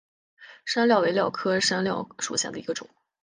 山蓼为蓼科山蓼属下的一个种。